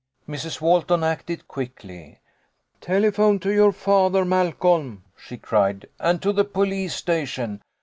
Mrs. Walton acted quickly. "Telephone to your fathe^ Malcolm," she cried, "and to the police sta tion.